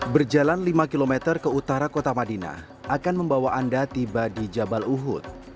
berjalan lima km ke utara kota madinah akan membawa anda tiba di jabal uhud